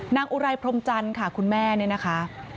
อุไรพรมจันทร์ค่ะคุณแม่เนี่ยนะคะ